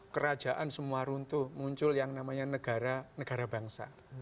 kerajaan semua runtuh muncul yang namanya negara negara bangsa